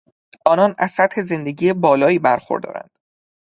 آنان از سطح زندگی بالایی برخوردارند.